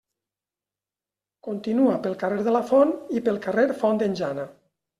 Continua pel carrer de la Font i pel carrer Font d'en Jana.